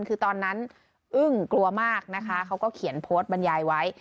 คือตอนนั้นอึ้งกลัวมากนะคะเขาก็เขียนโพสต์บรรยายไว้